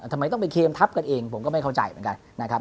ทำไมต้องไปเคมทับกันเองผมก็ไม่เข้าใจเหมือนกันนะครับ